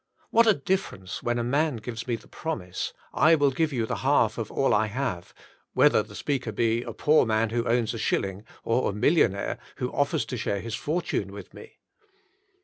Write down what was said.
What a differ ence when a man gives me the promise, I will give you the half of all I have, whether the speaker be a poor man who owns a shilling, or a million aire who offers to share his fortune with me.